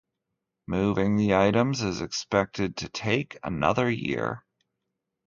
Moving the items is expected to take another year.